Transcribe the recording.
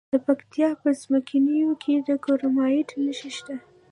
د پکتیا په څمکنیو کې د کرومایټ نښې شته.